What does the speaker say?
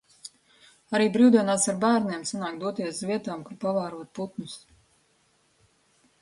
Arī brīvdienās ar bērniem sanāk doties uz vietām, kur pavērot putnus.